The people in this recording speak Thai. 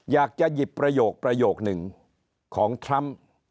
อยากจะหยิบประโยคประโยคหนึ่งของทรัมป์